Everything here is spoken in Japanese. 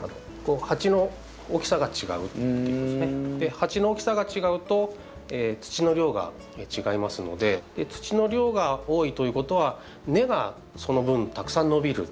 鉢の大きさが違うと土の量が違いますので土の量が多いということは根がその分たくさん伸びる。